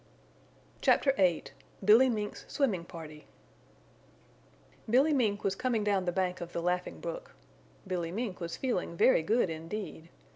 CHAPTER VIII BILLY MINK'S SWIMMING PARTY Billy Mink was coming down the bank of the Laughing Brook. Billy Mink was feeling very good indeed.